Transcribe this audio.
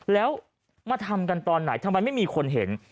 แล้วมาทำกันตอนไหนทำไมไม่มีคนเห็น